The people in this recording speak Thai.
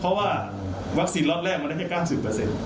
เพราะว่าวัคซีนล็อตแรกมันเที่ยวได้๙๐